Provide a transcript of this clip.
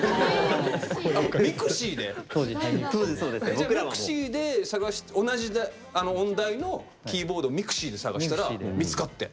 じゃあｍｉｘｉで同じ音大のキーボードをｍｉｘｉで探してたら見つかって。